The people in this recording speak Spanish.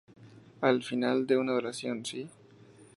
A final de una oración "¿sí?